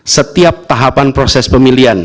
setiap tahapan proses pemilihan